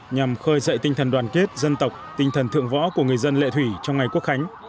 nhằm khơi dậy tinh thần đoàn kết dân tộc tinh thần thượng võ của người dân lệ thủy trong ngày quốc khánh